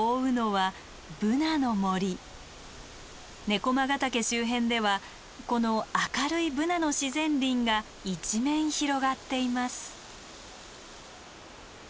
猫魔ヶ岳周辺ではこの明るいブナの自然林が一面広がっています。